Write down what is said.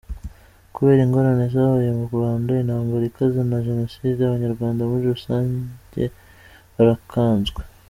Kubera ingorane zabaye mu Rwanda, intambara ikaze na Genocide, Abanyarwanda muri usange barakanzwe.